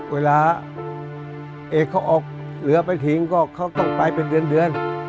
เวลาเอกเขาออกเรือไปทิ้งก็เขาต้องไปเป็นเดือน